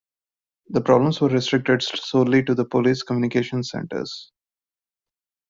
The problems were restricted solely to the Police Communications Centres.